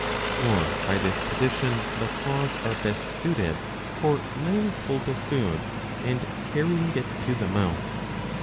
Ill For by this position the claws are best suited for laying hold of food and carrying it to the 'mouth.